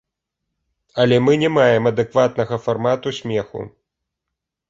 Але мы не маем адэкватнага фармату смеху.